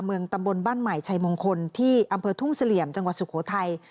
เมืองตำบลบ้านใหม่ชัยมงคลที่อำเภอทุ่งเสลี่ยมจังหวัดสุโขทัย